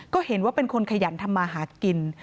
ก็เห็นว่าเป็นคนขยันทำมาหากิน